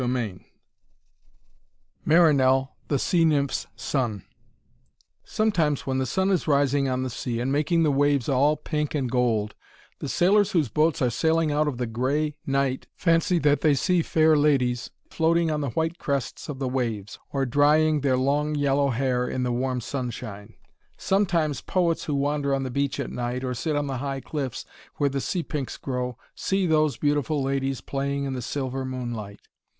VII MARINELL, THE SEA NYMPH'S SON Sometimes when the sun is rising on the sea and making the waves all pink and gold, the sailors whose boats are sailing out of the grey night fancy that they see fair ladies floating on the white crests of the waves, or drying their long yellow hair in the warm sunshine. Sometimes poets who wander on the beach at night, or sit on the high cliffs where the sea pinks grow, see those beautiful ladies playing in the silver moonlight.